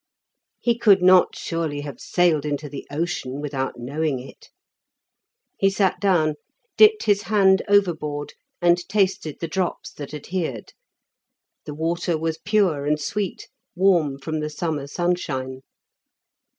He could not surely have sailed into the ocean without knowing it? He sat down, dipped his hand overboard and tasted the drops that adhered; the water was pure and sweet, warm from the summer sunshine.